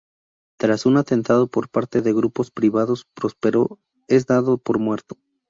Tras un atentado por parte de grupos privados, Próspero es dado por muerto.